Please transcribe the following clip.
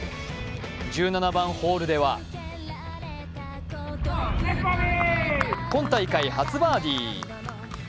１７番ホールでは今大会初バーディー。